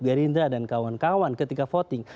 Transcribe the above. gerindra dan kawan kawan ketika voting